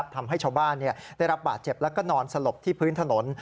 ทำให้ชาวบ้านได้รับบาดเจ็บแล้วก็นอนสลบที่พื้นถนน